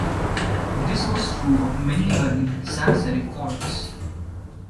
This was true of many early sans-serif fonts.